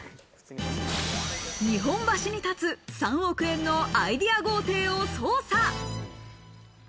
日本橋に建つ３億円のアイデア豪邸を捜査。